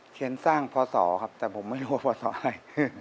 สร้างพศครับแต่ผมไม่รู้ว่าพศอะไร